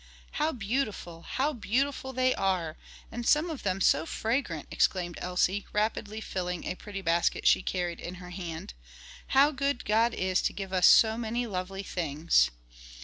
"How beautiful! how beautiful they are! and some of them so fragrant!" exclaimed Elsie, rapidly filling a pretty basket she carried in her hand. "How good God is to give us so many lovely things!"